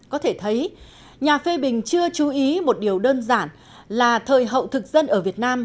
có thể thấy nhà phê bình chưa chú ý một điều đơn giản là thời hậu thực dân ở việt nam